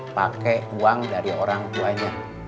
pakai uang dari orang tuanya